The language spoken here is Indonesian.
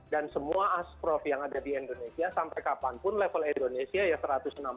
dan semua as prof yang ada di indonesia sampai kapanpun level indonesia ya satu ratus enam puluh an